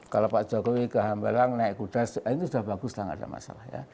kalau pak jokowi ke hambalang naik kudas itu sudah bagus tidak ada masalah